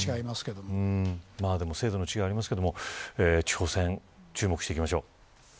制度の違いもありますが地方選、注目していきましょう。